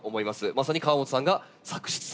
まさに河本さんが作出されたバラ。